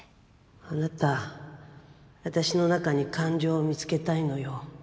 あなた私の中に感情を見つけたいのよ。